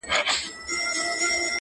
o اوښ په سر باري نه درنېږي٫